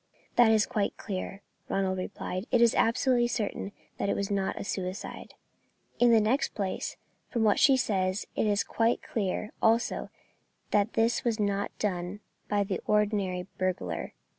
"That is quite clear," Ronald replied. "It is absolutely certain that it was not a suicide." "In the next place, from what she says, it is quite clear also that this was not done by an ordinary burglar.